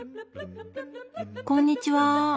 こんにちは。